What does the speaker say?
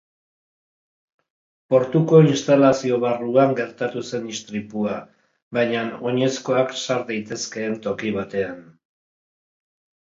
Portuko instalazio barruan gertatu zen istripua, baina oinezkoak sar daitezkeen toki batean.